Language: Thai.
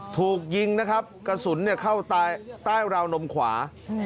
ถูกยิงนะครับกระสุนเข้าใต้ราวนมขวา